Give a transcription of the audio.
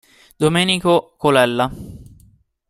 Domenico Colella.